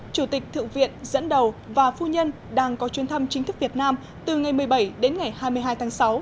chủ tịch thượng viện dẫn đầu và phu nhân đang có chuyến thăm chính thức việt nam từ ngày một mươi bảy đến ngày hai mươi hai tháng sáu